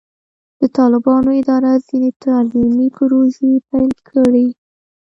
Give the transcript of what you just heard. د طالبانو اداره ځینې تعلیمي پروژې پیل کړې.